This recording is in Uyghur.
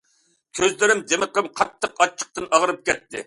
كۆزلىرىم، دىمىقىم قاتتىق ئاچچىقتىن ئاغرىپ كەتتى.